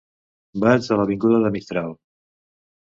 Vaig a l'avinguda de Mistral.